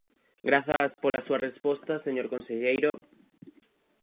Grazas pola súa resposta, señor conselleiro.